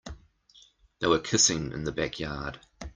They were kissing in the backyard.